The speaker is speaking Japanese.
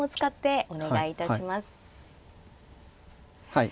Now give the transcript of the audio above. はい。